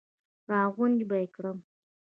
را غونج به یې کړم.